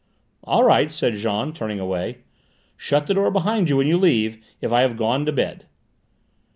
"All right," said Jean, turning away. "Shut the door behind you when you leave, if I have gone to bed."